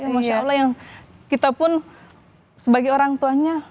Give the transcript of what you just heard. masya allah yang kita pun sebagai orang tuanya